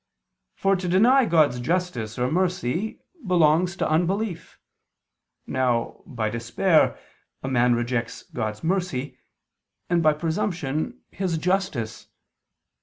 For to deny God's justice or mercy belongs to unbelief. Now, by despair, a man rejects God's mercy, and by presumption, His justice.